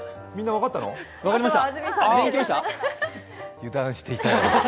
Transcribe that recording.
あっ、油断していた。